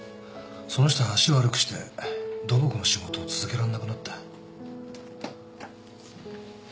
その人は足悪くして土木の仕事を続けらんなくなった。